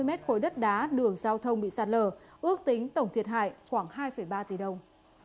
tám bảy trăm sáu mươi m khối đất đá đường giao thông bị sạt lở ước tính tổng thiệt hại khoảng hai ba tỷ đồng